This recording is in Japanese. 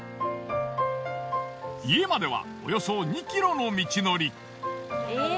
家まではおよそ２キロの道のり。